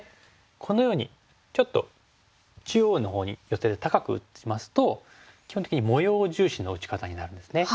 このようにちょっと中央のほうに寄せて高く打ちますと基本的に模様重視の打ち方になるんですね。